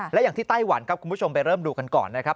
และอย่างที่ไต้หวันครับคุณผู้ชมไปเริ่มดูกันก่อนนะครับ